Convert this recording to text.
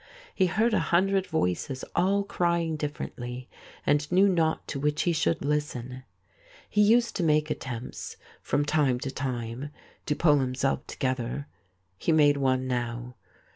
He heard a hundred voices all crying differently, and knew not to which he should listen. He used to make attempts, from time to time, to pull himself to gether ; he made one now.